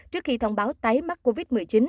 trước khi thông báo tái mắc covid một mươi chín